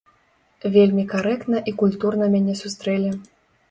Вельмі карэктна і культурна мяне сустрэлі.